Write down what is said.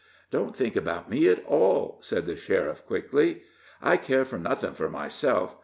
"Don't think about me at all," said the sheriff, quickly. "I care for nothing for myself.